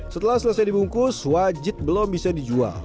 setelah selesai dibungkus wajit belum bisa dijual